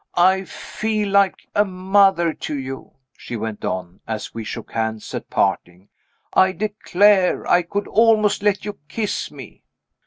"I feel like a mother to you," she went on, as we shook hands at parting. "I declare I could almost let you kiss me."